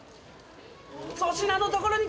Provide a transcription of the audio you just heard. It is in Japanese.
粗品のところに。